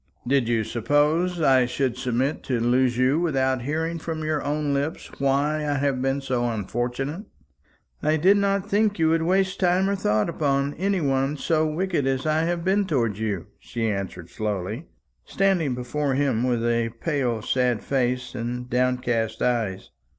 Did you suppose I should submit to lose you without hearing from your own lips why I have been so unfortunate?" "I did not think you would waste time or thought upon any one so wicked as I have been towards you," she answered slowly, standing before him with a pale sad face and downcast eyes.